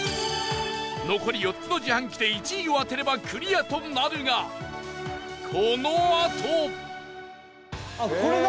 残り４つの自販機で１位を当てればクリアとなるがこのあと八乙女：これだ！